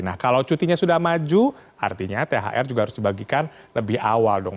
nah kalau cutinya sudah maju artinya thr juga harus dibagikan lebih awal dong